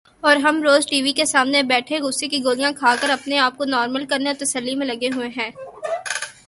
اور ہم روز ٹی وی کے سامنے بیٹھے غصے کی گولی کھا کر اپنے آپ کو نارمل کرنے اور تسلی میں لگے ہوئے ہیں ۔